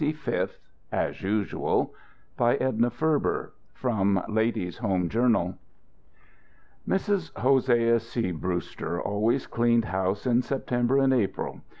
APRIL 25TH, AS USUAL By EDNA FERBER From Ladies Home Journal Mrs. Hosea C. Brewster always cleaned house in September and April.